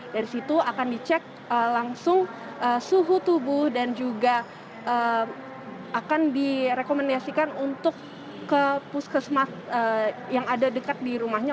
dari situ akan dicek langsung suhu tubuh dan juga akan direkomendasikan untuk ke puskesmas yang ada dekat di rumahnya